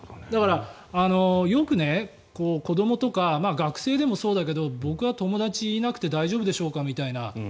よく子どもとか学生でもそうだけど僕は友達いなくて大丈夫でしょうか、将来みたいな。